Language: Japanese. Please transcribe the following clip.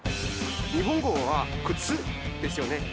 日本語は「靴」ですよね。